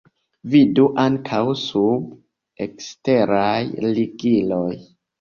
Vidu ankaŭ sub 'Eksteraj ligiloj'.